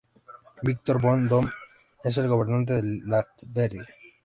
Victor von Doom es el gobernante de Latveria.